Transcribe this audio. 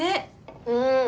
うん。